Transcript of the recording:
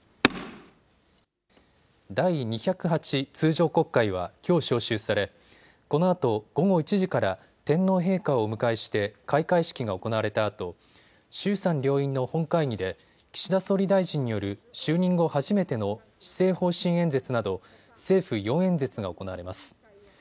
第２０８通常国会はきょう召集され、このあと午後１時から天皇陛下をお迎えして開会式が行われたあと衆参両院の本会議で岸田総理大臣による就任後初めての施政方針演説など政府４演説が行われます。